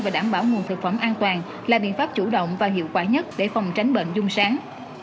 và đảm bảo nguồn thực phẩm an toàn là biện pháp chủ động và hiệu quả nhất để phòng tránh bệnh dung sáng